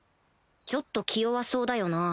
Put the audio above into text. ちょっと気弱そうだよな